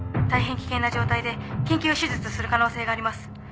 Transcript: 大変危険な状態で緊急手術する可能性があります。